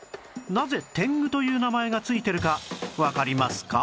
なぜ「テング」という名前がついてるかわかりますか？